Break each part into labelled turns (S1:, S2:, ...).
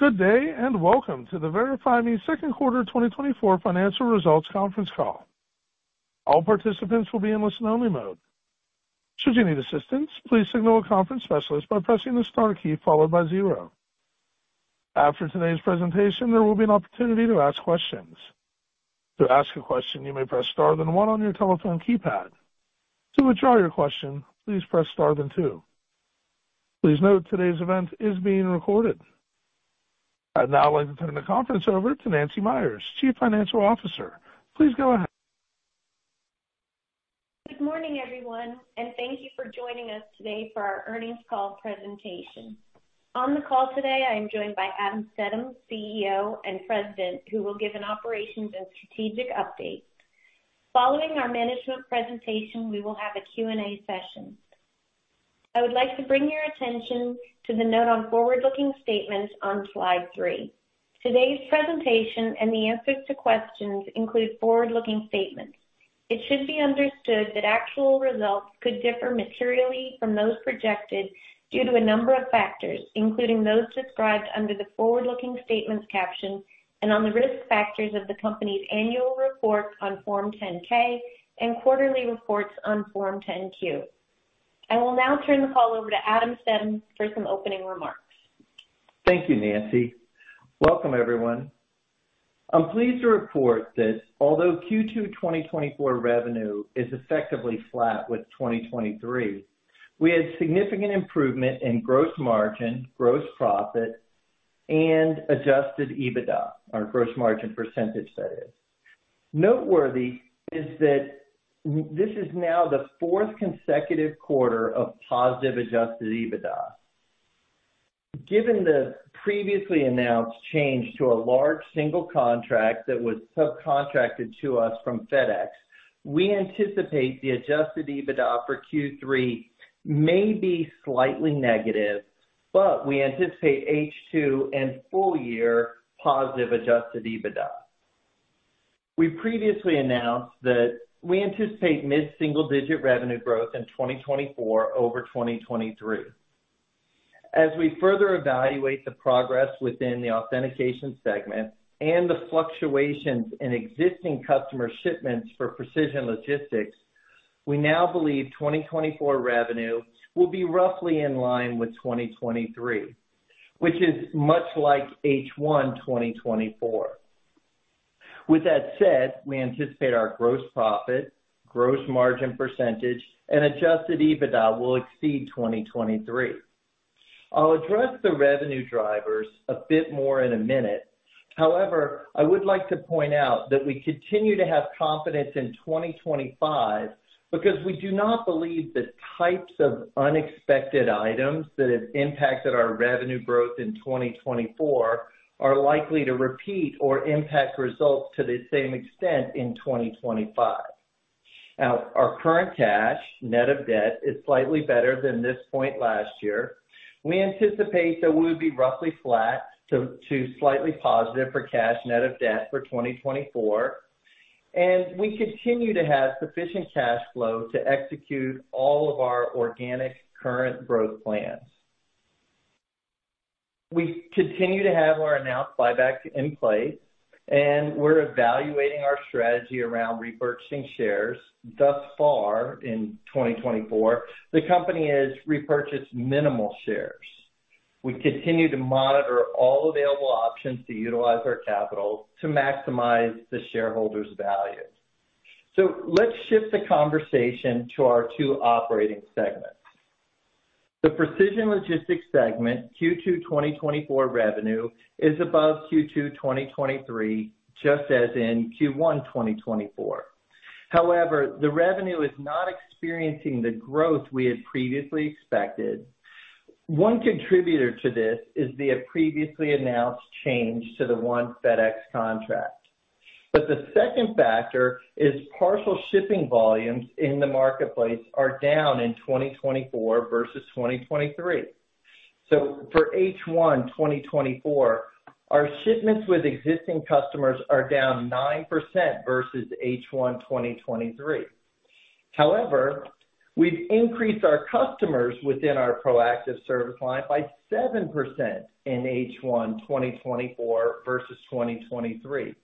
S1: Good day, and welcome to the VerifyMe Q2 2024 Financial Results Conference call. All participants will be in listen-only mode. Should you need assistance, please signal a conference specialist by pressing the star key followed by zero. After today's presentation, there will be an opportunity to ask questions. To ask a question, you may press star then one on your telephone keypad. To withdraw your question, please press star then two. Please note, today's event is being recorded. I'd now like to turn the conference over to Nancy Myers, Chief Financial Officer. Please go ahead.
S2: Good morning, everyone, and thank you for joining us today for our earnings call presentation. On the call today, I am joined by Adam Stedham, CEO and President, who will give an operations and strategic update. Following our management presentation, we will have a Q&A session. I would like to bring your attention to the note on forward-looking statements on slide 3. Today's presentation and the answers to questions include forward-looking statements. It should be understood that actual results could differ materially from those projected due to a number of factors, including those described under the forward-looking statements caption and on the risk factors of the company's annual report on Form 10-K and quarterly reports on Form 10-Q. I will now turn the call over to Adam Stedham for some opening remarks.
S3: Thank you, Nancy. Welcome, everyone. I'm pleased to report that although Q2 2024 revenue is effectively flat with 2023, we had significant improvement in gross margin, gross profit, and adjusted EBITDA, our gross margin percentage, that is. Noteworthy is that this is now the fourth consecutive quarter of positive adjusted EBITDA. Given the previously announced change to a large single contract that was subcontracted to us from FedEx, we anticipate the adjusted EBITDA for Q3 may be slightly negative, but we anticipate H2 and full-year positive adjusted EBITDA. We previously announced that we anticipate mid-single-digit revenue growth in 2024 over 2023. As we further evaluate the progress within the Authentication segment and the fluctuations in existing customer shipments for Precision Logistics, we now believe 2024 revenue will be roughly in line with 2023, which is much like H1 2024. With that said, we anticipate our gross profit, gross margin percentage, and Adjusted EBITDA will exceed 2023. I'll address the revenue drivers a bit more in a minute. However, I would like to point out that we continue to have confidence in 2025 because we do not believe the types of unexpected items that have impacted our revenue growth in 2024 are likely to repeat or impact results to the same extent in 2025. Now, our current cash, net of debt, is slightly better than this point last year. We anticipate that we would be roughly flat to slightly positive for cash net of debt for 2024, and we continue to have sufficient cash flow to execute all of our organic current growth plans. We continue to have our announced buyback in place, and we're evaluating our strategy around repurchasing shares. Thus far, in 2024, the company has repurchased minimal shares. We continue to monitor all available options to utilize our capital to maximize the shareholders' value. So let's shift the conversation to our two operating segments. The Precision Logistics segment, Q2 2024 revenue is above Q2 2023, just as in Q1 2024. However, the revenue is not experiencing the growth we had previously expected. One contributor to this is the previously announced change to the One FedEx contract, but the second factor is parcel shipping volumes in the marketplace are down in 2024 versus 2023. So for H1 2024, our shipments with existing customers are down 9% versus H1 2023. However, we've increased our customers within our proactive service line by 7% in H1 2024 versus 2023.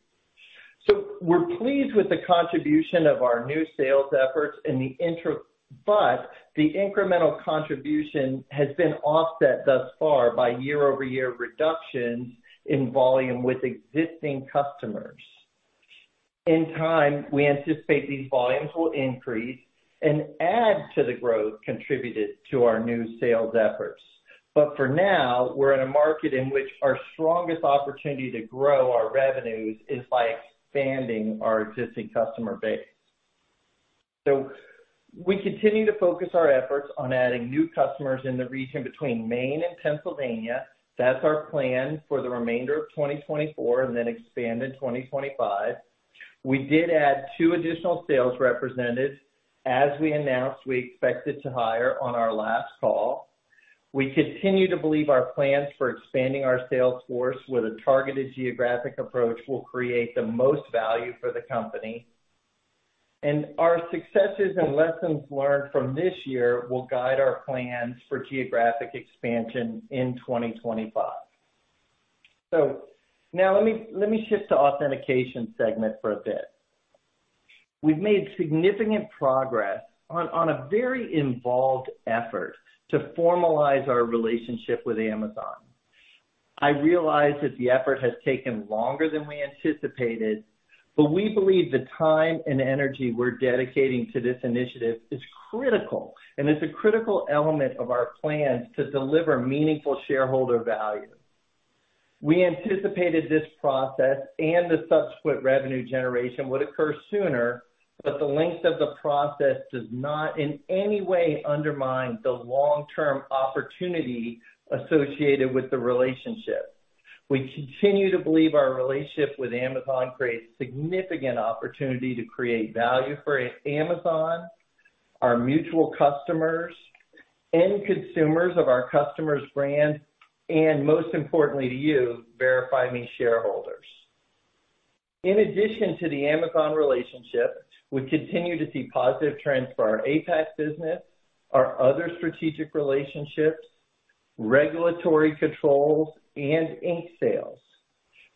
S3: So we're pleased with the contribution of our new sales efforts and the incremental contribution has been offset thus far by year-over-year reductions in volume with existing customers. In time, we anticipate these volumes will increase and add to the growth contributed to our new sales efforts. But for now, we're in a market in which our strongest opportunity to grow our revenues is by expanding our existing customer base. So we continue to focus our efforts on adding new customers in the region between Maine and Pennsylvania. That's our plan for the remainder of 2024 and then expand in 2025. We did add two additional sales representatives. As we announced, we expected to hire on our last call. We continue to believe our plans for expanding our sales force with a targeted geographic approach will create the most value for the company.... Our successes and lessons learned from this year will guide our plans for geographic expansion in 2025. So now let me shift to Authentication segment for a bit. We've made significant progress on a very involved effort to formalize our relationship with Amazon. I realize that the effort has taken longer than we anticipated, but we believe the time and energy we're dedicating to this initiative is critical, and it's a critical element of our plans to deliver meaningful shareholder value. We anticipated this process and the subsequent revenue generation would occur sooner, but the length of the process does not in any way undermine the long-term opportunity associated with the relationship. We continue to believe our relationship with Amazon creates significant opportunity to create value for Amazon, our mutual customers, end consumers of our customer's brand, and most importantly to you, VerifyMe shareholders. In addition to the Amazon relationship, we continue to see positive trends for our APAC business, our other strategic relationships, regulatory controls, and ink sales.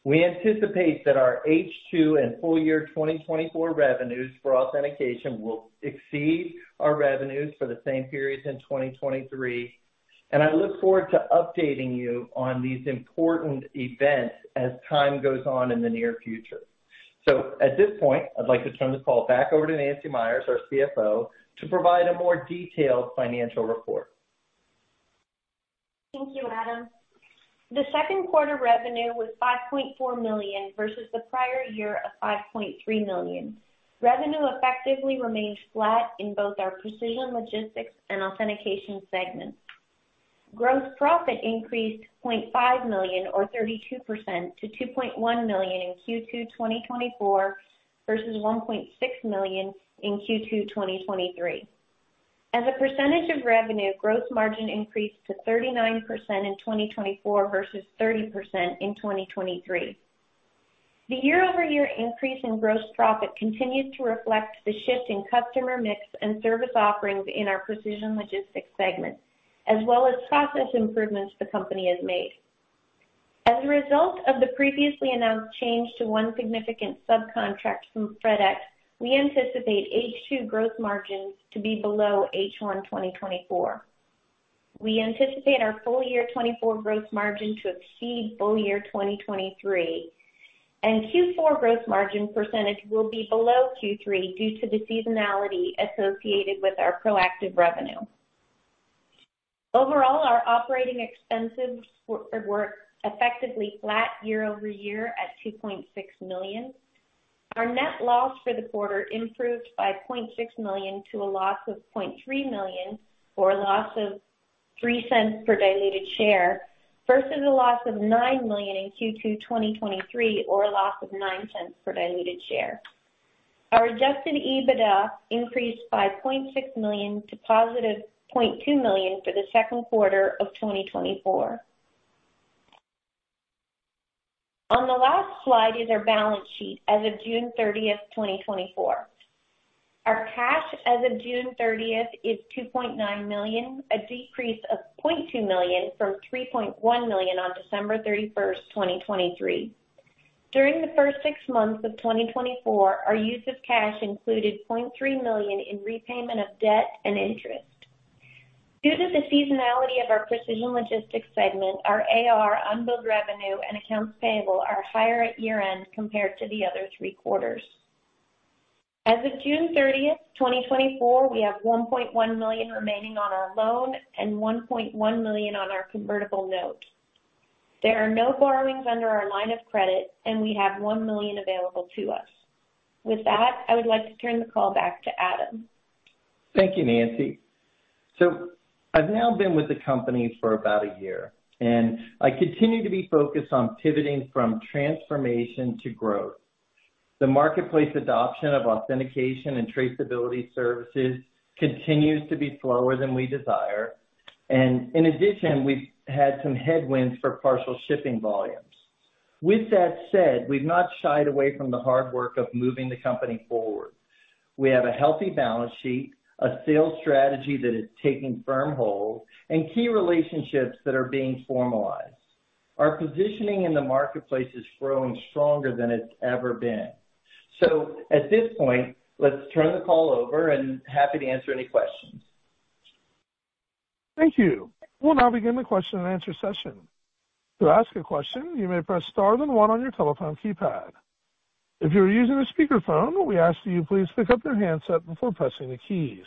S3: We anticipate that our H2 and full year 2024 revenues for authentication will exceed our revenues for the same periods in 2023, and I look forward to updating you on these important events as time goes on in the near future. So at this point, I'd like to turn the call back over to Nancy Myers, our CFO, to provide a more detailed financial report.
S2: Thank you, Adam. The second quarter revenue was $5.4 million versus the prior year of $5.3 million. Revenue effectively remains flat in both our Precision Logistics and Authentication segments. Gross profit increased $0.5 million or 32% to $2.1 million in Q2 2024, versus $1.6 million in Q2 2023. As a percentage of revenue, gross margin increased to 39% in 2024 versus 30% in 2023. The year-over-year increase in gross profit continues to reflect the shift in customer mix and service offerings in our Precision Logistics segment, as well as process improvements the company has made. As a result of the previously announced change to one significant subcontract from FedEx, we anticipate H2 gross margins to be below H1 2024. We anticipate our full year 2024 gross margin to exceed full year 2023, and Q4 gross margin percentage will be below Q3 due to the seasonality associated with our proactive revenue. Overall, our operating expenses were effectively flat year-over-year at $2.6 million. Our net loss for the quarter improved by $0.6 million to a loss of $0.3 million, or a loss of $0.03 per diluted share, versus a loss of $9 million in Q2 2023, or a loss of $0.09 per diluted share. Our Adjusted EBITDA increased by $0.6 million to positive $0.2 million for the second quarter of 2024. On the last slide is our balance sheet as of June 30, 2024. Our cash as of June 30 is $2.9 million, a decrease of $0.2 million from $3.1 million on December 31, 2023. During the first six months of 2024, our use of cash included $0.3 million in repayment of debt and interest. Due to the seasonality of our Precision Logistics segment, our AR, unbilled revenue, and accounts payable are higher at year-end compared to the other three quarters. As of June 30, 2024, we have $1.1 million remaining on our loan and $1.1 million on our convertible note. There are no borrowings under our line of credit, and we have $1 million available to us. With that, I would like to turn the call back to Adam.
S3: Thank you, Nancy. I've now been with the company for about a year, and I continue to be focused on pivoting from transformation to growth. The marketplace adoption of Authentication and traceability services continues to be slower than we desire, and in addition, we've had some headwinds for partial shipping volumes. With that said, we've not shied away from the hard work of moving the company forward. We have a healthy balance sheet, a sales strategy that is taking firm hold, and key relationships that are being formalized. Our positioning in the marketplace is growing stronger than it's ever been. At this point, let's turn the call over and happy to answer any questions.
S1: Thank you. We'll now begin the question and answer session. To ask a question, you may press star then one on your telephone keypad. If you are using a speakerphone, we ask that you please pick up your handset before pressing the keys.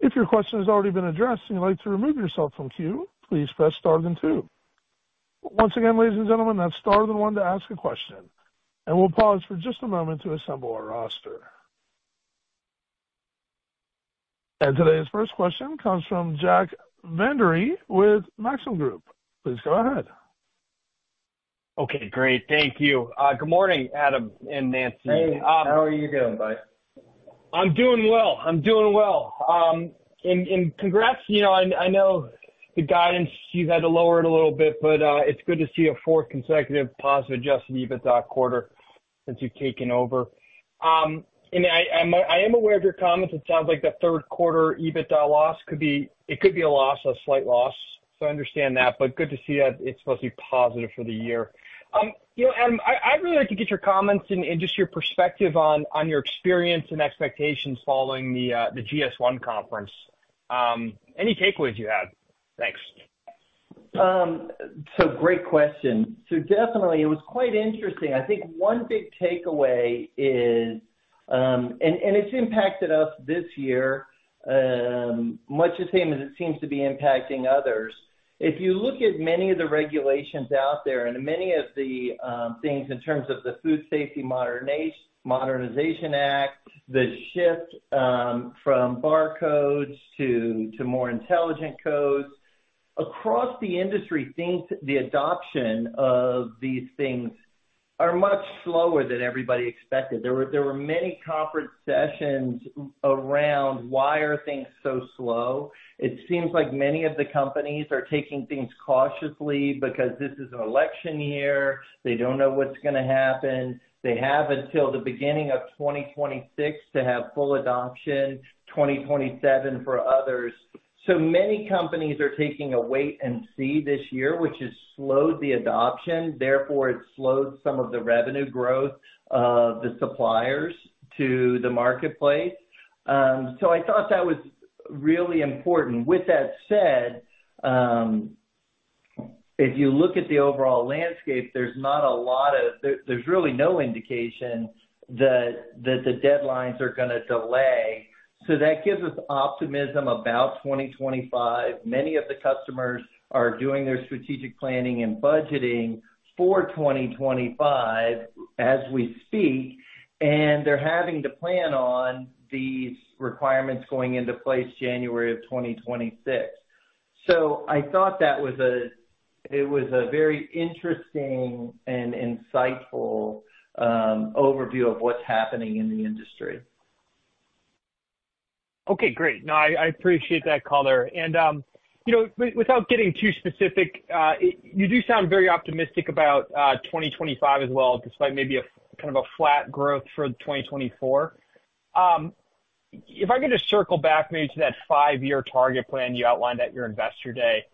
S1: If your question has already been addressed and you'd like to remove yourself from queue, please press star then two. Once again, ladies and gentlemen, that's star then one to ask a question, and we'll pause for just a moment to assemble our roster. Today's first question comes from Jack Vander Aarde with Maxim Group. Please go ahead.
S4: Okay, great. Thank you. Good morning, Adam and Nancy.
S3: Hey, how are you doing, bud?
S4: I'm doing well. I'm doing well. Congrats. You know, I know-... the guidance, you've had to lower it a little bit, but it's good to see a fourth consecutive positive adjusted EBITDA quarter since you've taken over. And I, I am aware of your comments. It sounds like the third quarter EBITDA loss could be, it could be a loss, a slight loss, so I understand that, but good to see that it's supposed to be positive for the year. You know, Adam, I'd really like to get your comments and, and just your perspective on, on your experience and expectations following the GS1 conference. Any takeaways you had? Thanks.
S3: Great question. Definitely, it was quite interesting. I think one big takeaway is, and it's impacted us this year, much the same as it seems to be impacting others. If you look at many of the regulations out there and many of the things in terms of the Food Safety Modernization Act, the shift from barcodes to more intelligent codes across the industry, things, the adoption of these things are much slower than everybody expected. There were many conference sessions around why are things so slow? It seems like many of the companies are taking things cautiously because this is an election year. They don't know what's gonna happen. They have until the beginning of 2026 to have full adoption, 2027 for others. So many companies are taking a wait and see this year, which has slowed the adoption, therefore it slowed some of the revenue growth of the suppliers to the marketplace. So I thought that was really important. With that said, if you look at the overall landscape, there's really no indication that the deadlines are gonna delay. So that gives us optimism about 2025. Many of the customers are doing their strategic planning and budgeting for 2025 as we speak, and they're having to plan on these requirements going into place January of 2026. So I thought that was a very interesting and insightful overview of what's happening in the industry.
S4: Okay, great. No, I, I appreciate that color. And, without getting too specific, you do sound very optimistic about 2025 as well, despite maybe a kind of a flat growth for 2024. If I could just circle back maybe to that five-year target plan you outlined at your Investor Day.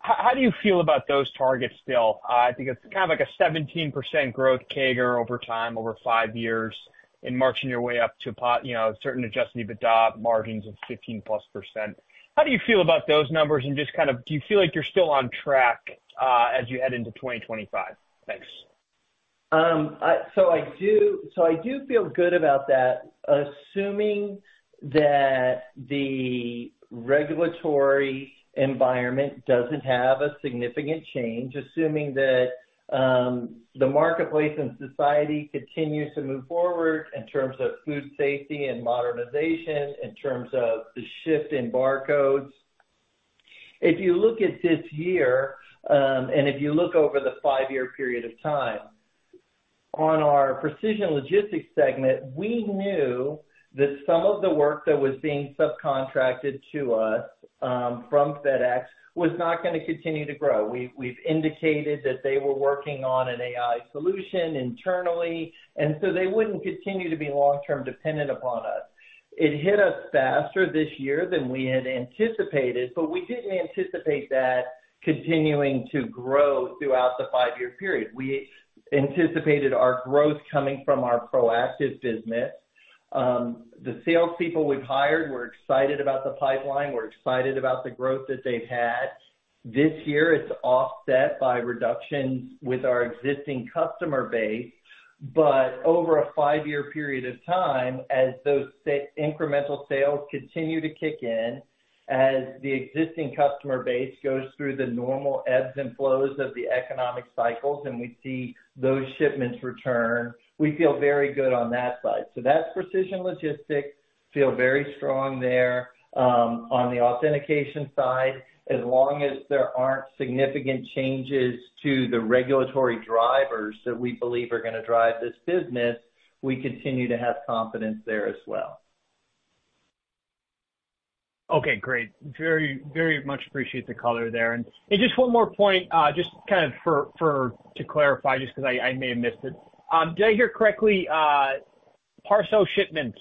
S4: How, how do you feel about those targets still? I think it's kind of like a 17% growth CAGR over time, over 5 years, and marching your way up to you know, certain Adjusted EBITDA margins of 15%+. How do you feel about those numbers and just kind of, do you feel like you're still on track, as you head into 2025? Thanks.
S3: So I do, so I do feel good about that, assuming that the regulatory environment doesn't have a significant change, assuming that the marketplace and society continue to move forward in terms of food safety and modernization, in terms of the shift in barcodes. If you look at this year, and if you look over the five-year period of time, on our Precision Logistics segment, we knew that some of the work that was being subcontracted to us from FedEx was not gonna continue to grow. We've, we've indicated that they were working on an AI solution internally, and so they wouldn't continue to be long-term dependent upon us. It hit us faster this year than we had anticipated, but we didn't anticipate that continuing to grow throughout the five-year period. We anticipated our growth coming from our Proactive business. The salespeople we've hired were excited about the pipeline, we're excited about the growth that they've had. This year, it's offset by reductions with our existing customer base, but over a five-year period of time, as those incremental sales continue to kick in, as the existing customer base goes through the normal ebbs and flows of the economic cycles, and we see those shipments return, we feel very good on that side. So that's Precision Logistics, feel very strong there. On the Authentication side, as long as there aren't significant changes to the regulatory drivers that we believe are gonna drive this business, we continue to have confidence there as well.
S4: Okay, great. Very, very much appreciate the color there. And just one more point, just kind of to clarify, just 'cause I may have missed it. Did I hear correctly, PeriShip shipments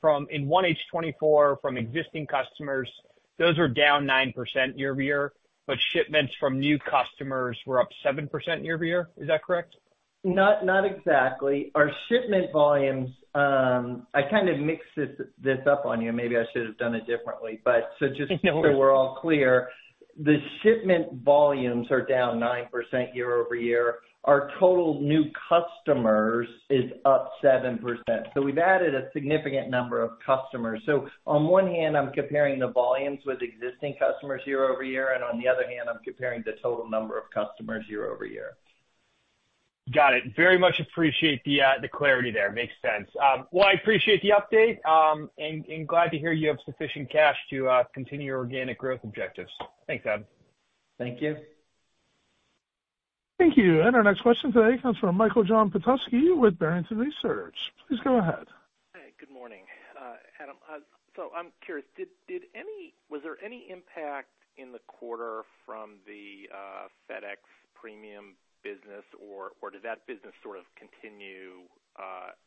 S4: from in 1H2024 from existing customers, those are down 9% year-over-year, but shipments from new customers were up 7% year-over-year? Is that correct?
S3: Not, not exactly. Our shipment volumes, I kind of mixed this, this up on you. Maybe I should have done it differently. But so just so we're all clear, the shipment volumes are down 9% year-over-year. Our total new customers is up 7%. So we've added a significant number of customers. So on one hand, I'm comparing the volumes with existing customers year-over-year, and on the other hand, I'm comparing the total number of customers year-over-year.
S4: Got it. Very much appreciate the clarity there. Makes sense. Well, I appreciate the update, and glad to hear you have sufficient cash to continue your organic growth objectives. Thanks, Adam.
S3: Thank you.
S1: Thank you. And our next question today comes from Michael John Petusky with Barrington Research. Please go ahead.
S5: Hi, good morning, Adam. So I'm curious, did any—was there any impact in the quarter from the FedEx premium business, or did that business sort of continue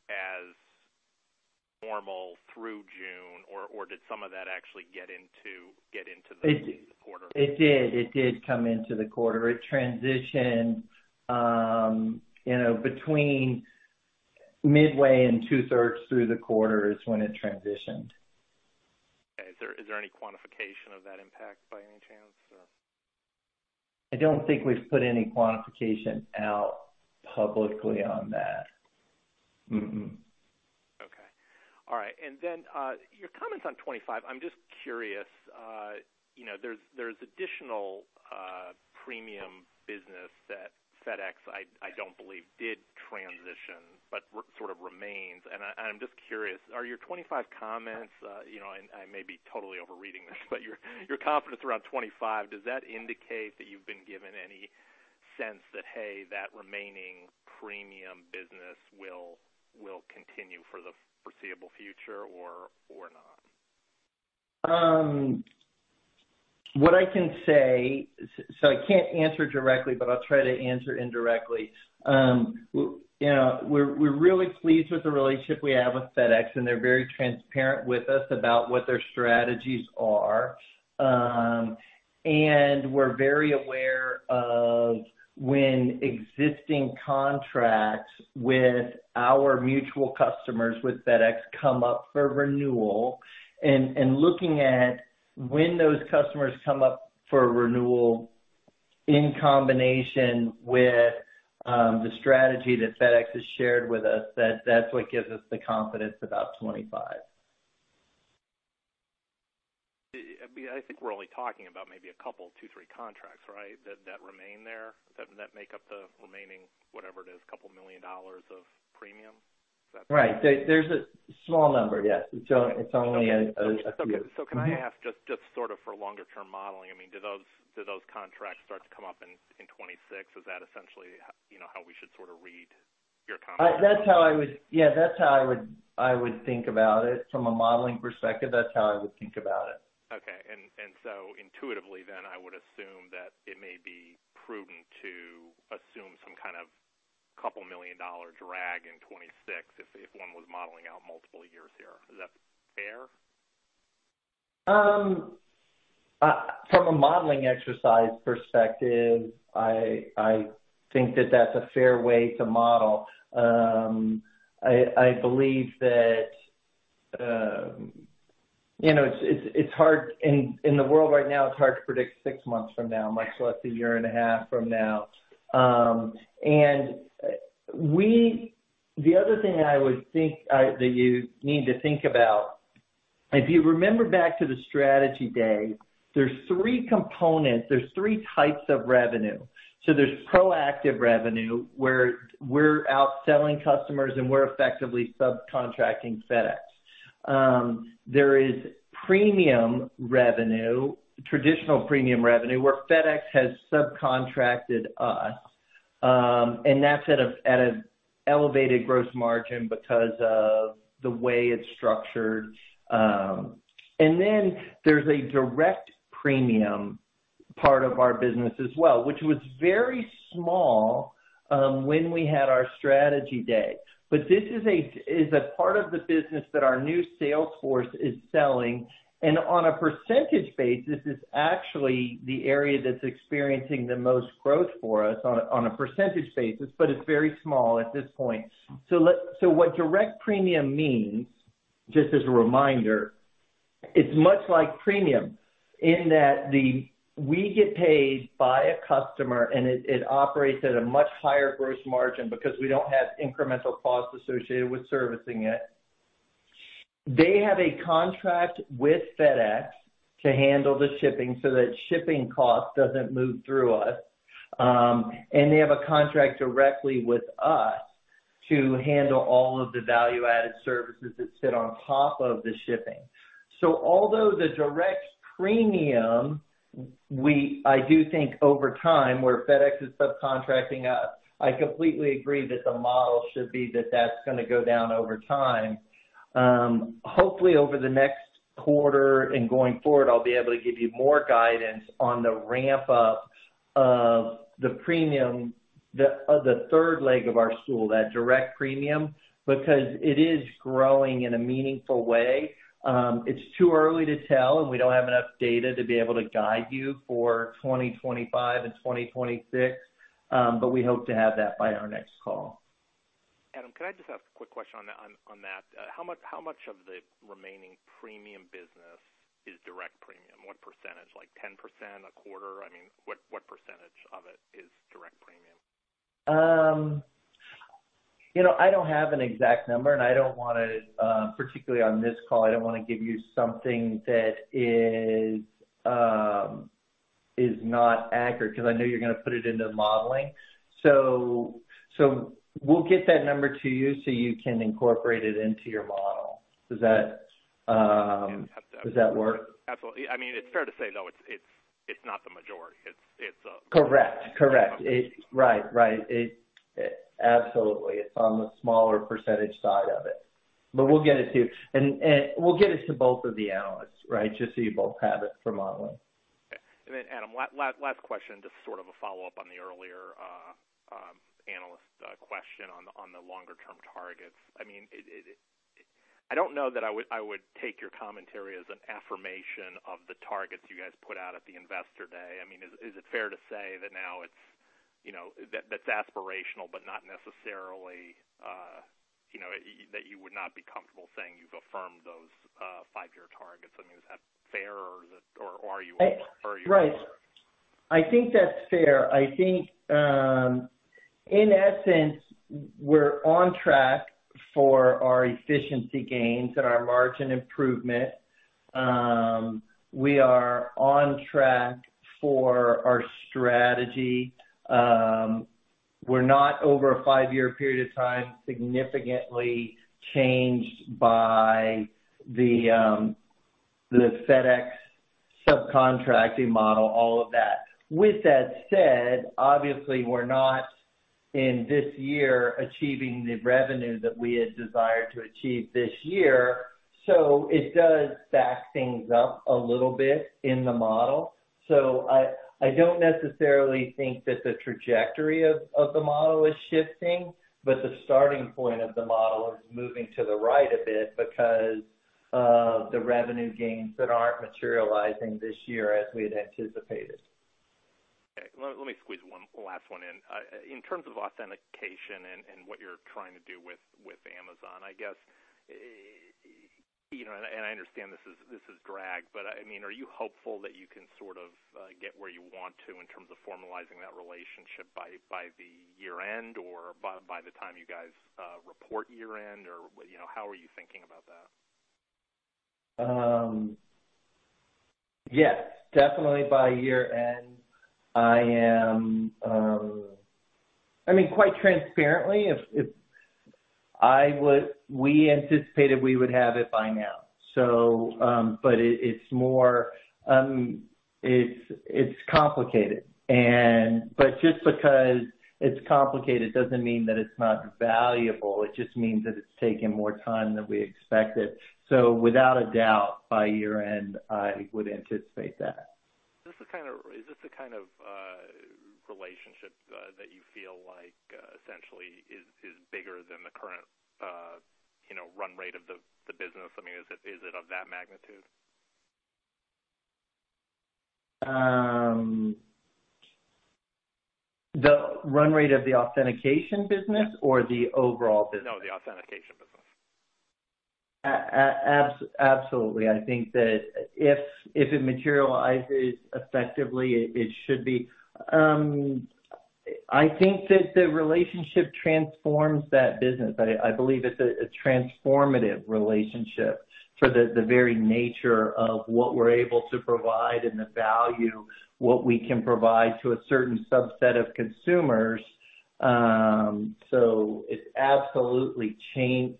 S5: as normal through June, or did some of that actually get into the quarter?
S3: It did. It did come into the quarter. It transitioned, you know, between midway and two-thirds through the quarter is when it transitioned.
S5: Okay. Is there, is there any quantification of that impact by any chance, or?
S3: I don't think we've put any quantification out publicly on that.
S5: Okay. All right. And then, your comments on 25, I'm just curious, you know, there's, there's additional premium business that FedEx, I, I don't believe did transition, but re- sort of remains. And I, and I'm just curious, are your 25 comments, you know, and I may be totally overreading this, but your, your confidence around 25, does that indicate that you've been given any sense that, "Hey, that remaining premium business will, will continue for the foreseeable future or, or not?
S3: What I can say... so I can't answer directly, but I'll try to answer indirectly. You know, we're really pleased with the relationship we have with FedEx, and they're very transparent with us about what their strategies are. And we're very aware of when existing contracts with our mutual customers with FedEx come up for renewal. And looking at when those customers come up for renewal in combination with the strategy that FedEx has shared with us, that's what gives us the confidence about 25.
S5: I mean, I think we're only talking about maybe a couple, two, three contracts, right? That remain there, that make up the remaining, whatever it is, $2 million of premium. Is that-
S3: Right. There's a small number, yes. It's only a few-
S5: Can I ask, just, just sort of for longer term modeling, I mean, do those, do those contracts start to come up in, in 2026? Is that essentially, you know, how we should sort of read your contract?
S3: That's how I would. Yeah, that's how I would, I would think about it. From a modeling perspective, that's how I would think about it.
S5: Okay. So intuitively then, I would assume that it may be prudent to assume some kind of $2 million drag in 2026, if one was modeling out multiple years here. Is that fair?
S3: From a modeling exercise perspective, I think that that's a fair way to model. I believe that, you know, it's hard in the world right now, it's hard to predict six months from now, much less a year and a half from now. And the other thing I would think that you need to think about, if you remember back to the strategy day, there's three components, there's three types of revenue. So there's Proactive revenue, where we're out selling customers, and we're effectively subcontracting FedEx. There is Premium revenue, traditional Premium revenue, where FedEx has subcontracted us, and that's at an elevated gross margin because of the way it's structured. And then there's a direct premium part of our business as well, which was very small when we had our strategy day. But this is a part of the business that our new sales force is selling, and on a percentage basis, this is actually the area that's experiencing the most growth for us on a percentage basis, but it's very small at this point. So what direct premium means, just as a reminder, it's much like premium in that the... We get paid by a customer, and it operates at a much higher gross margin because we don't have incremental costs associated with servicing it. They have a contract with FedEx to handle the shipping, so that shipping cost doesn't move through us, and they have a contract directly with us to handle all of the value-added services that sit on top of the shipping. So although the direct premium, I do think over time, where FedEx is subcontracting us, I completely agree that the model should be that that's gonna go down over time. Hopefully, over the next quarter and going forward, I'll be able to give you more guidance on the ramp-up of the premium, the, the third leg of our stool, that direct premium, because it is growing in a meaningful way. It's too early to tell, and we don't have enough data to be able to guide you for 2025 and 2026, but we hope to have that by our next call.
S5: Adam, can I just ask a quick question on that? How much of the remaining premium business is direct premium? What percentage? Like 10%, a quarter, I mean, what percentage of it is direct premium?
S3: You know, I don't have an exact number, and I don't want to, particularly on this call, I don't want to give you something that is not accurate, because I know you're gonna put it into modeling. So, we'll get that number to you, so you can incorporate it into your model. Does that work?
S5: Absolutely. I mean, it's fair to say, though, it's not the majority.
S3: Correct. Correct. It, right. Right. It, absolutely, it's on the smaller percentage side of it, but we'll get it to you. And we'll get it to both of the analysts, right? Just so you both have it for modeling.
S5: Okay. And then, Adam, last question, just sort of a follow-up on the earlier, analyst question on the, on the longer term targets. I mean, it, I don't know that I would take your commentary as an affirmation of the targets you guys put out at the Investor Day. I mean, is it fair to say that now it's, you know, that that's aspirational, but not necessarily, you know, that you would not be comfortable saying you've affirmed those, five-year targets? I mean, is that fair, or is it, or are you?
S3: Right. I think that's fair. I think, in essence, we're on track for our efficiency gains and our margin improvement. We are on track for our strategy. We're not, over a five-year period of time, significantly changed by the, the FedEx subcontracting model, all of that. With that said, obviously, we're not, in this year, achieving the revenue that we had desired to achieve this year, so it does back things up a little bit in the model. So I, I don't necessarily think that the trajectory of, of the model is shifting, but the starting point of the model is moving to the right a bit because of the revenue gains that aren't materializing this year as we had anticipated.
S5: Okay. Let me squeeze one last one in. In terms of authentication and what you're trying to do with Amazon, I guess, you know, and I understand this is dragged, but, I mean, are you hopeful that you can sort of get where you want to in terms of formalizing that relationship by the year-end or by the time you guys report year-end? Or, you know, how are you thinking about that?
S3: Yes, definitely by year-end. I am, I mean, quite transparently, we anticipated we would have it by now. So, but it, it's more, it's complicated. But just because it's complicated doesn't mean that it's not valuable. It just means that it's taking more time than we expected. So without a doubt, by year-end, I would anticipate that.
S5: Is this the kind of relationship that you feel like essentially is bigger than the current, you know, run rate of the business? I mean, is it of that magnitude?
S3: The run rate of the Authentication business-
S5: Yeah.
S3: or the overall business?
S5: No, the Authentication business.
S3: Absolutely. I think that if it materializes effectively, it should be. I think that the relationship transforms that business. I believe it's a transformative relationship for the very nature of what we're able to provide and the value what we can provide to a certain subset of consumers. So it absolutely changes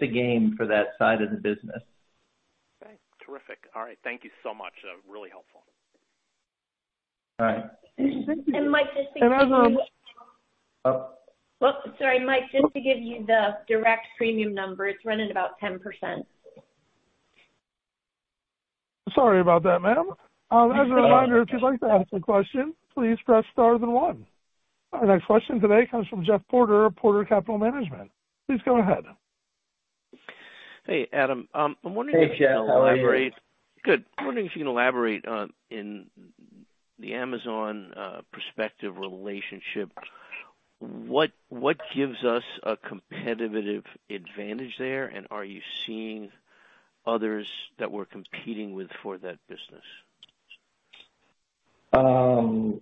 S3: the game for that side of the business.
S5: Okay. Terrific. All right. Thank you so much. Really helpful.
S3: All right.
S2: Mike, just-
S1: And Amazon-
S3: Uh-
S2: Oh, sorry, Mike, just to give you the Direct Premium number, it's running about 10%.
S1: Sorry about that, ma'am. As a reminder, if you'd like to ask a question, please press star then one. Our next question today comes from Jeff Porter of Porter Capital Management. Please go ahead.
S6: Hey, Adam. I'm wondering if you can elaborate-
S3: Hey, Jeff. How are you?
S6: Good. I'm wondering if you can elaborate on, in the Amazon partnership relationship, what gives us a competitive advantage there? And are you seeing others that we're competing with for that business?
S3: If,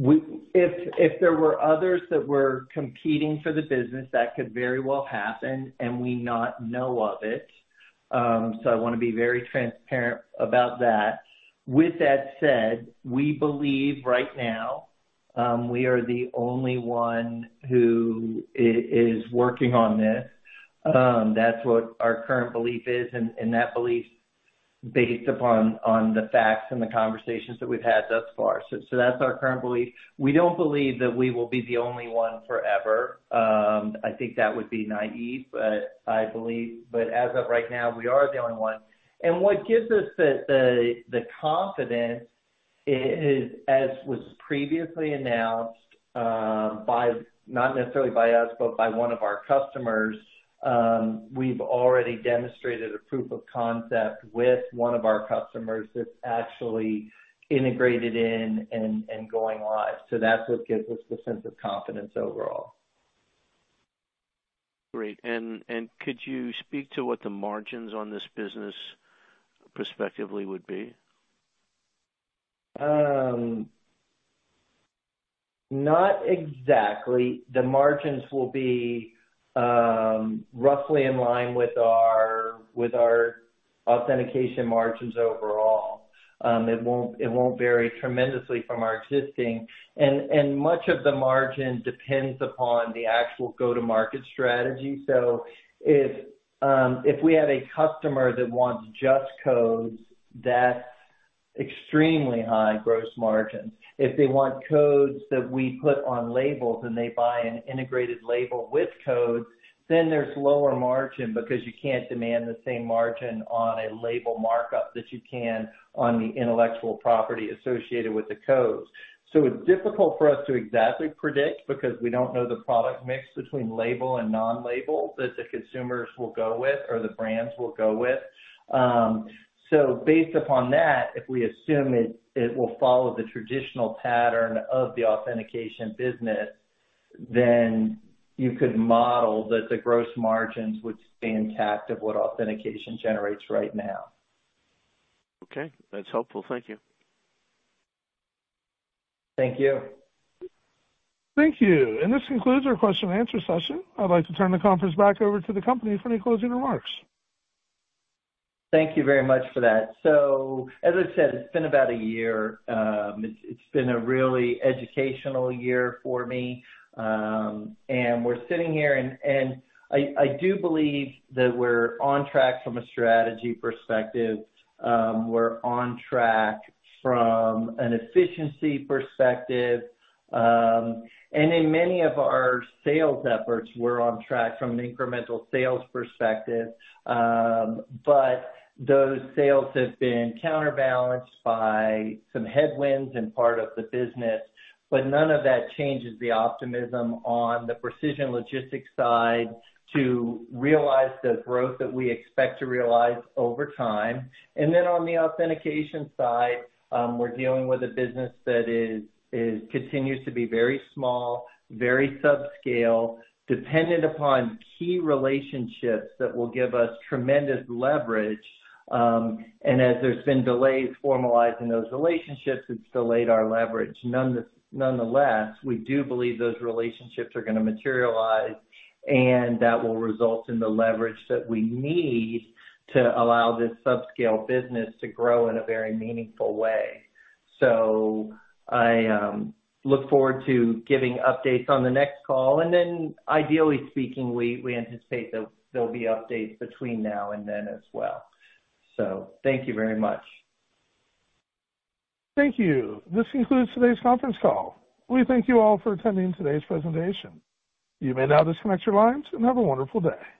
S3: if there were others that were competing for the business, that could very well happen, and we not know of it. So I want to be very transparent about that. With that said, we believe right now, we are the only one who is working on this. That's what our current belief is, and that belief based upon the facts and the conversations that we've had thus far. So that's our current belief. We don't believe that we will be the only one forever. I think that would be naive, but as of right now, we are the only one. What gives us the confidence is, as was previously announced, not necessarily by us, but by one of our customers, we've already demonstrated a proof of concept with one of our customers that's actually integrated in and going live. So that's what gives us the sense of confidence overall.
S6: Great. And could you speak to what the margins on this business prospectively would be?
S3: Not exactly. The margins will be roughly in line with our authentication margins overall. It won't vary tremendously from our existing. And much of the margin depends upon the actual go-to-market strategy. So if we had a customer that wants just codes, that's extremely high gross margins. If they want codes that we put on labels, and they buy an integrated label with codes, then there's lower margin because you can't demand the same margin on a label markup that you can on the intellectual property associated with the codes. So it's difficult for us to exactly predict because we don't know the product mix between label and non-label that the consumers will go with or the brands will go with. Based upon that, if we assume it, it will follow the traditional pattern of the authentication business, then you could model that the gross margins would stay intact of what authentication generates right now.
S6: Okay, that's helpful. Thank you.
S3: Thank you.
S1: Thank you. This concludes our question and answer session. I'd like to turn the conference back over to the company for any closing remarks.
S3: Thank you very much for that. So as I said, it's been about a year. It's been a really educational year for me. And we're sitting here and I do believe that we're on track from a strategy perspective. We're on track from an efficiency perspective, and in many of our sales efforts, we're on track from an incremental sales perspective. But those sales have been counterbalanced by some headwinds in part of the business, but none of that changes the optimism on the Precision Logistics side to realize the growth that we expect to realize over time. And then on the Authentication side, we're dealing with a business that continues to be very small, very subscale, dependent upon key relationships that will give us tremendous leverage. And as there's been delays formalizing those relationships, it's delayed our leverage. Nonetheless, we do believe those relationships are gonna materialize, and that will result in the leverage that we need to allow this subscale business to grow in a very meaningful way. So I look forward to giving updates on the next call, and then ideally speaking, we anticipate that there'll be updates between now and then as well. So thank you very much.
S1: Thank you. This concludes today's conference call. We thank you all for attending today's presentation. You may now disconnect your lines and have a wonderful day.